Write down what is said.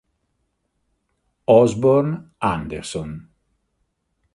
Osborne Anderson